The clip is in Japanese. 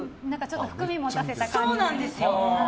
含みを持たせた感じでね。